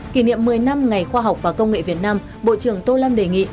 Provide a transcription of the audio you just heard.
kỷ niệm một mươi năm ngày khoa học và công nghệ việt nam bộ trưởng tô lâm đề nghị